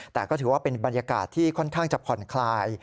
แต่ก็ถือว่าเป็นบรรยากาศที่ค่อนข้างจะผ่อนคลาย